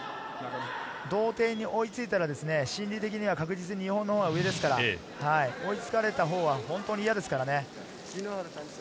同点に追いついたら心理的には確実に日本のほうが上ですから、追いつかれたほうは本当に嫌ですからね。